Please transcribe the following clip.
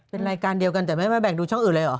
เป็นรายการเดียวกันแต่ไม่มาแบ่งดูช่องอื่นเลยเหรอ